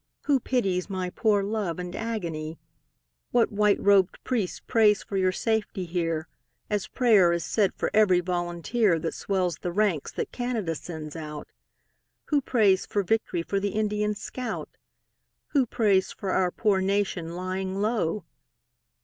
Who pities my poor love and agony? What white robed priest prays for your safety here, As prayer is said for every volunteer That swells the ranks that Canada sends out? Who prays for vict'ry for the Indian scout? Who prays for our poor nation lying low?